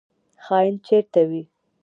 خاین چیرته وي؟